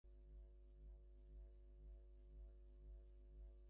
ফলে খুচরা বাজারে দেশি ও ভারতীয় পেঁয়াজের দাম সমান হয়ে গেছে।